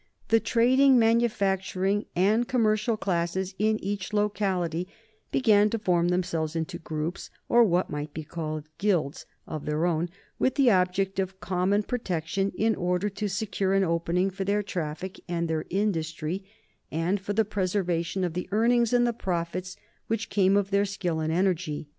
The trading, manufacturing, and commercial classes in each locality began to form themselves into groups, or what might be called guilds, of their own, with the object of common protection, in order to secure an opening for their traffic and their industry, and for the preservation of the earnings and the profits which came of their skill and energy.